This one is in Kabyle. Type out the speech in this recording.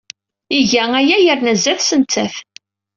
Iga aya yerna sdat-s nettat.